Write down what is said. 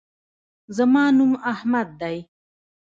زما نوم احمد دی